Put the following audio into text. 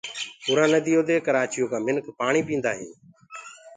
اُرآ نديو دي ڪرآچيو ڪآ منک پآڻي پينٚدآ هينٚ